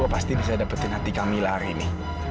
aku pasti bisa dapetin hati kamila hari ini